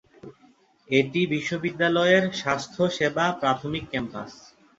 এটি বিশ্ববিদ্যালয়ের স্বাস্থ্যসেবা প্রাথমিক ক্যাম্পাস।